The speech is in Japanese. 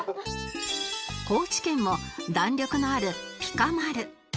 高知県も弾力のあるぴかまる